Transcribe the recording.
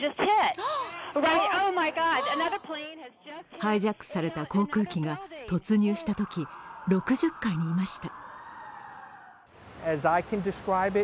ハイジャックされた航空機が突入したとき、６０階にいました。